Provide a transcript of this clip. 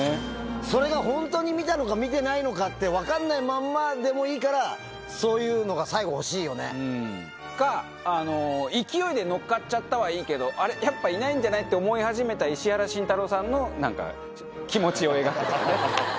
それが本当に見たのか、見てないのかって分かんないまんまでもいいから、そういうのが最か、勢いで乗っかっちゃったはいいけど、あれ、やっぱりいないんじゃないって思い始めた石原慎太郎さんの、なんか、気持ちを描くとかね。